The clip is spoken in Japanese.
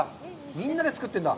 みんなで作ってるんだ？